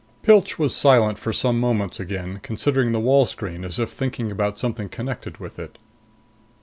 20 Pilch was silent for some moments again, considering the wall screen as if thinking about something connected with it.